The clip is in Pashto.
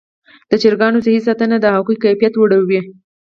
د چرګانو صحي ساتنه د هګیو کیفیت لوړوي.